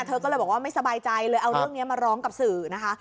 เธอก็เลยบอกว่าไม่สบายใจเลยเอาเรื่องนี้มาร้องกับสื่อนะคะ